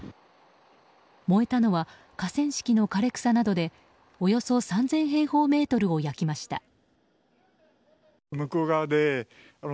燃えたのは河川敷の枯れ草などでおよそ３０００平方メートルを焼きました。